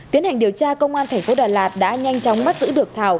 tiến hành điều tra công an thành phố đà lạt đã nhanh chóng bắt giữ được thảo